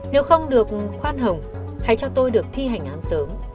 nếu không được khoan hồng hãy cho tôi được thi hành án sớm